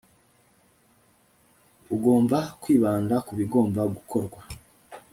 ugomba kwibanda ku bigomba gukorwa